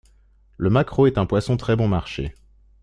Le maquereau est un poisson très bon marché.